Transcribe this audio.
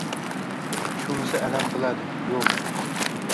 Shunisi alam qiladi, yo‘q.